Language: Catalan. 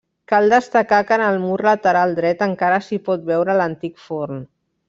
Cal destacar que en el mur lateral dret encara s’hi pot veure l’antic forn.